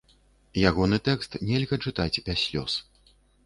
Ягоны тэкст нельга чытаць без слёз.